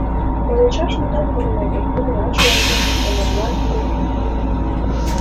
Ойлышаш мутат кодын огыл, кумылат шуалген, понарла йӧрен.